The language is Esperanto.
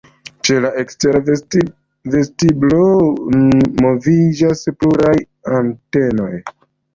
Ce la ekstera vestiblo moviĝas pluraj antenoj.